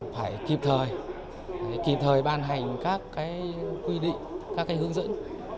phải kịp thời phải kịp thời ban hành các cái quy định các cái hướng dẫn